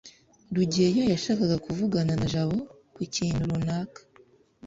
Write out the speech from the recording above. rugeyo yashakaga kuvugana na jabo ku kintu runaka